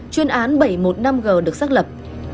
chuyên án bảy trăm một mươi năm g được xác lập